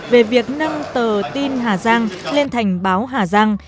về việc nâng tờ tin hà giang lên thành báo hà giang